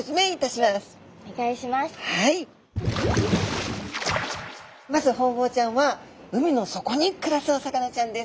まずホウボウちゃんは海の底に暮らすお魚ちゃんです。